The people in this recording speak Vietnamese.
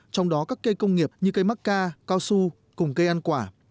trong đó các cây công nghiệp như cây mắc ca cao su cùng cây ăn quả